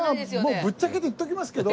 もうぶっちゃけて言っときますけど。